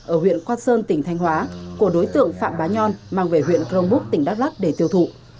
ở huyện quan sơn tỉnh thanh hóa của đối tượng phạm bá nhon mang về huyện crong búc tỉnh đắk lắc để tiêu thụ